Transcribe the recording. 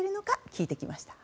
聞いてきました。